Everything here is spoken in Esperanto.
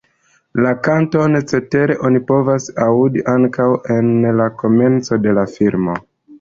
La kanton cetere oni povas aŭdi ankaŭ en la komenco de la filmo.